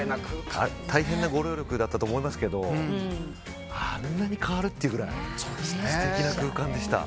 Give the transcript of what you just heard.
大変なご労力だったと思いますけどあんなに変わる？っていうぐらい素敵な空間でした。